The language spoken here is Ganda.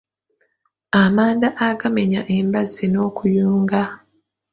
Amanda agamenya embazzi n'okuyunga.